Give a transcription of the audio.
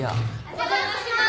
・・お邪魔します。